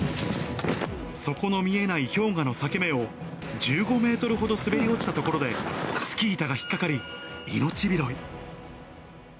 底の見えない氷河の裂け目を、１５メートルほど滑り落ちた所でスキー板が引っ掛かり、命拾い。